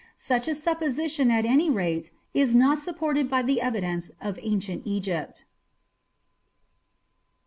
Such a supposition, at any rate, is not supported by the evidence of Ancient Egypt.